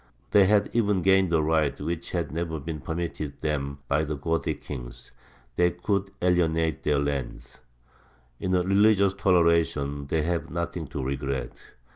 They had even gained a right which had never been permitted them by the Gothic kings: they could alienate their lands. In religious toleration they had nothing to regret.